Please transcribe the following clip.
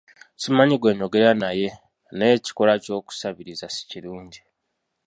Simanyi gwe njogera naye, naye ekikolwa ky'okusabiriza si kirungi.